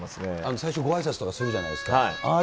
最初、ごあいさつとかするじゃないですか。